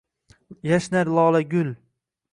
Yashnar lolagun.